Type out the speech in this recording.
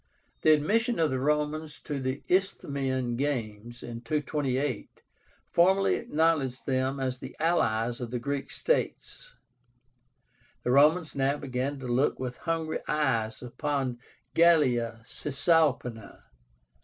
The admission of the Romans to the Isthmian Games in 228 formally acknowledged them as the allies of the Greek states." The Romans now began to look with hungry eyes upon GALLIA CISALPÍNA.